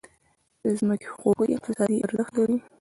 د ځمکې حقوق اقتصادي ارزښت لري.